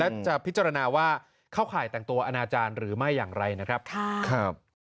และจะพิจารณาว่าเข้าข่ายแต่งตัวอนาจารย์หรือไม่อย่างไรนะครับ